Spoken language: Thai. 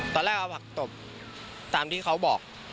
ตอนแรกเอาผักตบตามที่เขาบอก